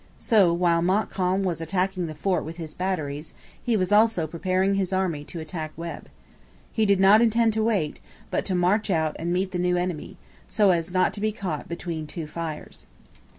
So, while Montcalm was attacking the fort with his batteries, he was also preparing his army to attack Webb. He did not intend to wait; but to march out and meet the new enemy, so as not to be caught between two fires.